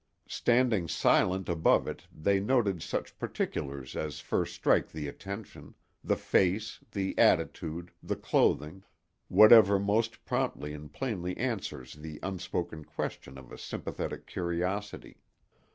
Standing silent above it they noted such particulars as first strike the attention—the face, the attitude, the clothing; whatever most promptly and plainly answers the unspoken question of a sympathetic curiosity.